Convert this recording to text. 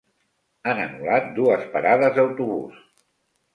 Han anul·lat dues parades d'autobús.